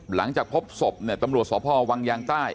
หลังจากพบศพเนี่ยตำรวจสพวังยางใต้